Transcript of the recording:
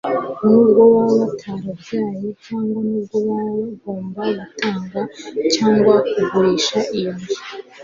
nubwo baba batarabyaye cyangwa n'ubwo baba bagomba gutanga cyangwa kugurisha iyo nzu